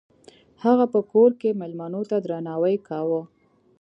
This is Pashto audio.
هغه په کور کې میلمنو ته درناوی کاوه.